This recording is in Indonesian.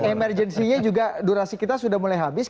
emergenci nya juga durasi kita sudah mulai habis